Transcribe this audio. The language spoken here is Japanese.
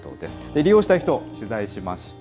利用した人を取材しました。